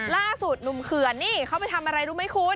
ล่าสุดหนุ่มเขื่อนนี่เขาไปทำอะไรรู้ไหมคุณ